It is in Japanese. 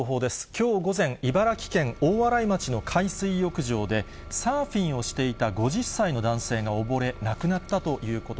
きょう午前、茨城県大洗町の海水浴場で、サーフィンをしていた５０歳の男性が溺れ、亡くなったということ